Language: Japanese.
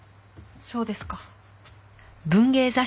そうですか。